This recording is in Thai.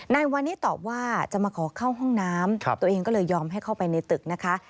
นายวานิตอบว่าจะมาขอเข้าห้องน้ำตัวเองก็เลยยอมให้เข้าไปในตึกนะคะ